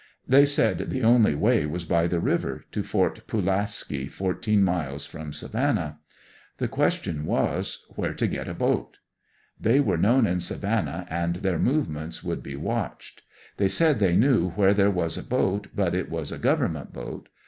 They said the only way was by the river to Fort Pulaski, fourteen miles from Savannah. The question was, where to get a boat. They were know:n in Savannah and their movements would be watched. They said they knew where there was a boat, but it was a government boat.